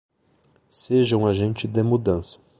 Seja um agente de mudança